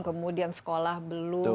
kemudian sekolah belum